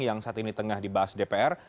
yang saat ini tengah dibahas dpr